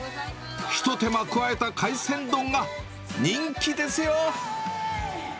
一手間加えた海鮮丼が人気ですよ！